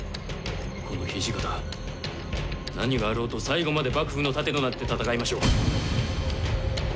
この土方何があろうと最後まで幕府の盾となって戦いましょう。